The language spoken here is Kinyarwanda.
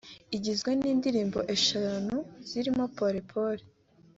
igizwe n’indirimbo eshanu zirimo ‘Pole Pole’